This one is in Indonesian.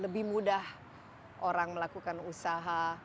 lebih mudah orang melakukan usaha